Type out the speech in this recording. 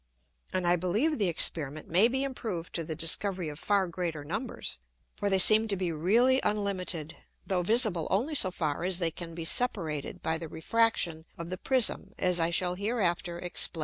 And I believe the Experiment may be improved to the Discovery of far greater Numbers. For they seem to be really unlimited, though visible only so far as they can be separated by the Refraction of the Prism, as I shall hereafter explain.